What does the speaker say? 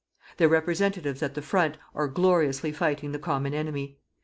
Their representatives at the front are gloriously fighting the common enemy.